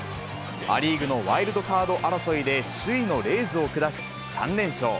ア・リーグのワイルドカード争いで首位のレイズを下し、３連勝。